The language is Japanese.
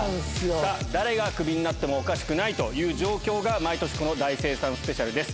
さあ、誰がクビになってもおかしくないという状況が、毎年、この大精算スペシャルです。